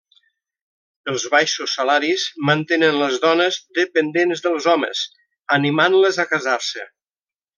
Els baixos salaris mantenen les dones dependents dels homes, animant-les a casar-se.